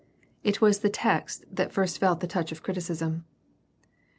It was the text that first felt the touch of criticism.